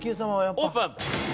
オープン！